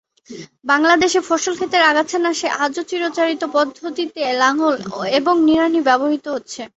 বাংলাদেশে ফসল ক্ষেতের আগাছা নাশে আজও চিরাচরিত পদ্ধতিতে লাঙল এবং নিড়ানি ব্যবহূত হচ্ছে।